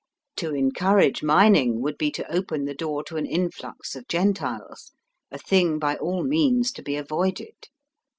To en courage mining would be to open the door to an influx of Gentiles, a thing by all means to be avoided.